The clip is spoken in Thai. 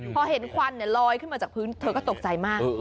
พอเห็นควันลอยขึ้นมาจากพื้นเธอก็ตกใจมาก